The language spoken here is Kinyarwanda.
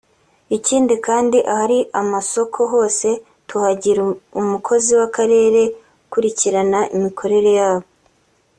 Ikindi kandi ahari amasoko hose tuhagira umukozi w’akarere ukurikirana imikorere yabo